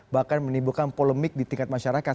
bahkan menimbulkan polemik di tingkat masyarakat